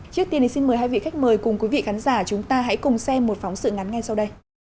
trước tiên thì xin mời hai vị khách mời cùng quý vị khán giả chúng ta hãy cùng xem một phóng sự ngắn ngay sau đây